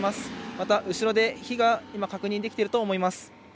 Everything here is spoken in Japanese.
また、後ろで火が今、確認できていると思います。